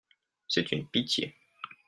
C'est une pitié.